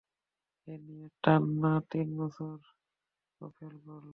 এই নিয়ে টানা তিন বছর ও ফেল করলো।